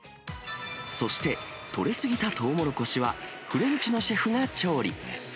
そして、取れ過ぎたトウモロコシは、フレンチのシェフが調理。